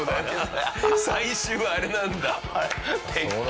最終はあれなんだ鉄球。